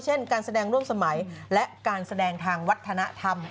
เช่นการแสดงร่วมสมัยและการแสดงทางวัฒนธรรม